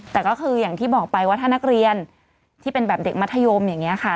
แต่ก็คืออย่างที่บอกไปว่าถ้านักเรียนที่เป็นแบบเด็กมัธยมอย่างนี้ค่ะ